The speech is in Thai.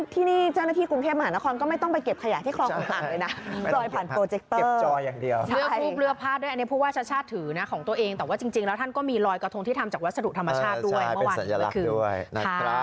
ที่นี่เขาจะมีเครื่องเหมือนกับว่าเป็น